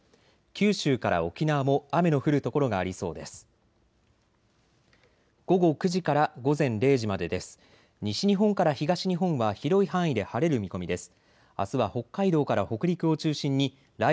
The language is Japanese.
九州から沖縄も雨の降る所がありそうです。